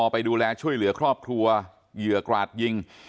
ไปดูแลช่วยเหลือครอบครัวเหยื่อกราดยิง